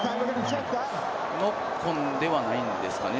ノックオンではないんですか